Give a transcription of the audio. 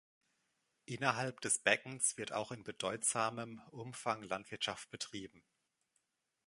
Innerhalb des Beckens wird auch in bedeutsamem Umfang Landwirtschaft betrieben.